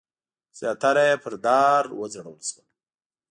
زیاتره یې پر دار وځړول شول.